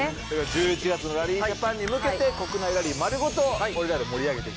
１１月のラリージャパンに向けて国内ラリー丸ごと俺らで盛り上げていきたいね。